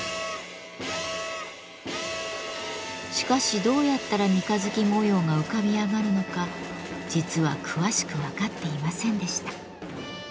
しかしどうやったら三日月模様が浮かび上がるのか実は詳しく分かっていませんでした。